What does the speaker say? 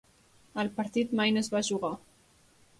El partit mai no es va jugar.